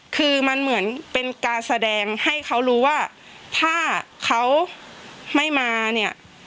คือมันเหมือนเป็นการแสดงให้เขารู้ว่าถ้าเขาไม่มาเนี่ย